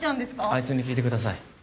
あいつに聞いてください